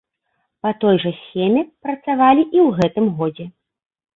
Па той жа схеме працавалі і ў гэтым годзе.